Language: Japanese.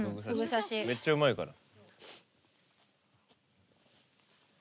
めっちゃうまいから。